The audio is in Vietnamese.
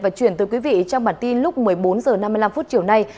và chuyển tới quý vị trong bản tin lúc một mươi bốn h năm mươi năm chiều nay